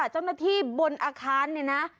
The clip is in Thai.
เจ้าหน้าที่บนอาคารเนี่ยนะ